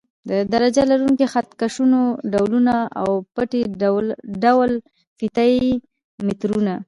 د درجه لرونکو خط کشونو ډولونه او پټۍ ډوله فیته یي مترونه.